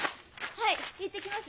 はい行ってきます。